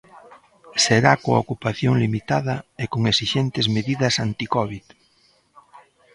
Será coa ocupación limitada e con esixentes medidas anticovid.